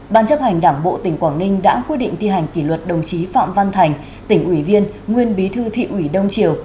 ban chấp hành đảng bộ tỉnh quảng ninh đã quyết định thi hành kỷ luật đồng chí phạm văn thành tỉnh ủy viên nguyên bí thư thị ủy đông triều